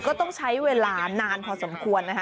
ก็ต้องใช้เวลานานพอสมควรนะคะ